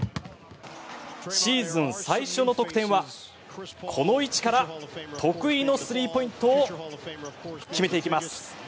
シーズン最初の得点はこの位置から得意のスリーポイントを決めていきます。